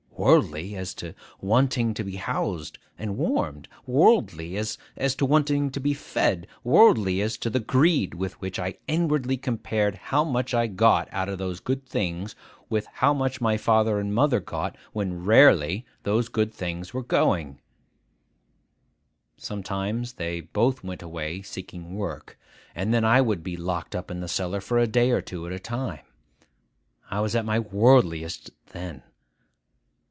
Worldly as to wanting to be housed and warmed, worldly as to wanting to be fed, worldly as to the greed with which I inwardly compared how much I got of those good things with how much father and mother got, when, rarely, those good things were going. Sometimes they both went away seeking work; and then I would be locked up in the cellar for a day or two at a time. I was at my worldliest then.